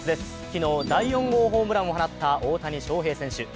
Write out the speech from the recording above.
昨日、第４号ホームランを放った大谷翔平選手。